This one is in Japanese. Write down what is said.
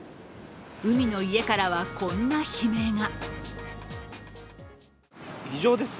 海の家からは、こんな悲鳴が。